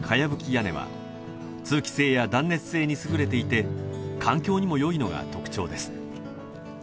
屋根は通気性や断熱性に優れていて環境にもよいのが特徴です